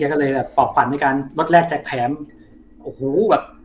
แกก็เลยแบบปอกฝันด้วยกันรถแรกแจ๊กแขมโอ้โหแบบ